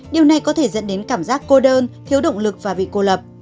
điều này có thể dẫn đến cảm giác cô đơn thiếu động lực và bị cô lập